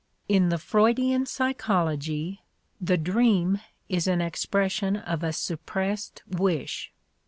In the Freudian psychology the dream is an expression of a suppressed wish.